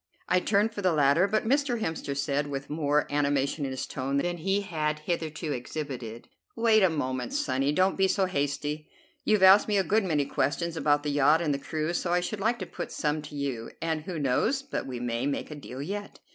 I turned for the ladder, but Mr. Hemster said, with more of animation in his tone than he had hitherto exhibited: "Wait a moment, sonny; don't be so hasty. You've asked me a good many questions about the yacht and the crew, so I should like to put some to you, and who knows but we may make a deal yet.